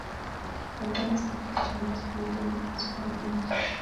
Ventanas típicas llamadas permiten el paso de aire y luz.